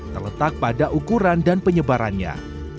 terletak pada ukuran dan penyebarannya